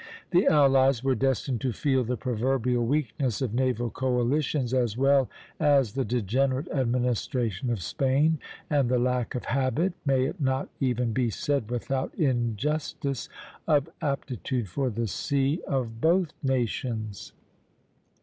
The allies were destined to feel the proverbial weakness of naval coalitions, as well as the degenerate administration of Spain, and the lack of habit may it not even be said without injustice, of aptitude for the sea of both nations.